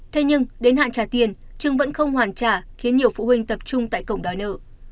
thế nhưng đến hạn trả tiền trường vẫn không hoàn trả khiến nhiều phụ huynh tập trung tại cổng đòi nợ